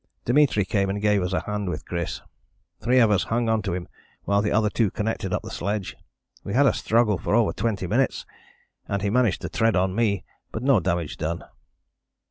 Dimitri came and gave us a hand with Chris. Three of us hung on to him while the other two connected up the sledge. We had a struggle for over twenty minutes, and he managed to tread on me, but no damage done....